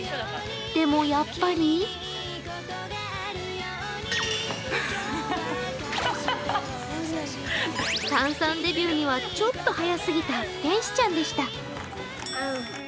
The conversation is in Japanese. でもやっぱり炭酸デビューにはちょっと早すぎた天使ちゃんでした。